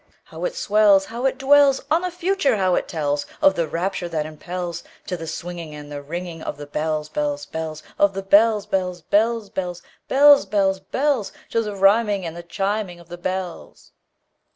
How it swells! How it dwellsOn the Future! how it tellsOf the rapture that impelsTo the swinging and the ringingOf the bells, bells, bells, Of the bells, bells, bells, bells, Bells, bells, bells—To the rhyming and the chiming of the bells!